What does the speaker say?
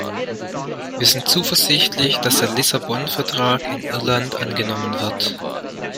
Wir sind zuversichtlich, dass der Lissabon-Vertrag in Irland angenommen wird.